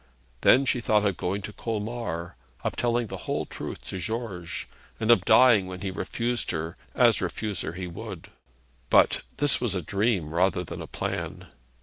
Then she thought of going to Colmar, of telling the whole truth to George, and of dying when he refused her as refuse her he would. But this was a dream rather than a plan.